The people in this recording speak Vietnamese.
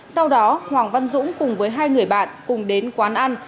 sau đó hoàng văn dũng cùng với hai người bạn cùng đến quán ăn